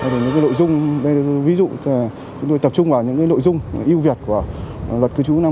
đây là những cái lội dung ví dụ là chúng tôi tập trung vào những cái lội dung ưu việt của luật cư trú năm hai nghìn hai mươi